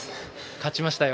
勝ちましたよ。